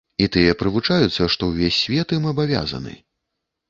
І тыя прывучаюцца, што ўвесь свет ім абавязаны.